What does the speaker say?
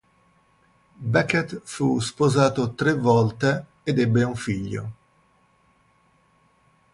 Beckett fu sposato tre volte ed ebbe un figlio.